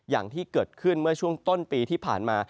อย่างที่เกิดขึ้นเมื่อช่วงต้นปีที่ผ่านมา